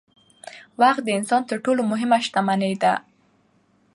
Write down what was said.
وخت د انسان تر ټولو مهمه شتمني ده